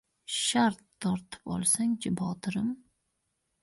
shart tortib olsangchi botirim…